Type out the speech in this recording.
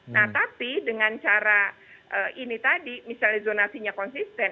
nah tapi dengan cara ini tadi misalnya zonasinya konsisten